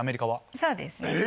そうですね。